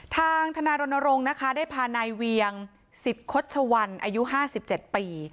ทางธนารณรงค์นะคะได้พานายเวียงสิทธิ์คดชวันอายุ๕๗ปี